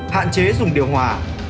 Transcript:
hạn chế dùng điều hòa